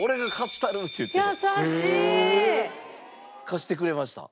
貸してくれました。